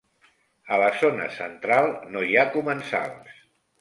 A la zona central no hi ha comensals.